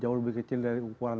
jauh lebih kecil dari ukuran